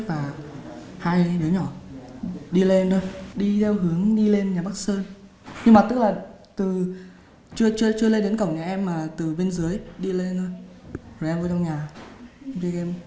chưa lên đến cổng nhà em mà từ bên dưới đi lên thôi rồi em vô trong nhà đi game